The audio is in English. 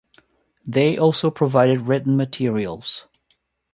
They also provided written materials.